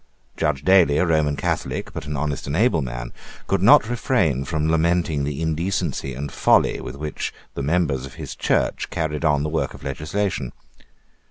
Judge Daly, a Roman Catholic, but an honest and able man, could not refrain from lamenting the indecency and folly with which the members of his Church carried on the work of legislation.